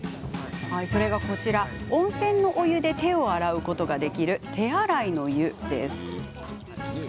それがこちら温泉のお湯で手を洗うことができる手洗乃湯です。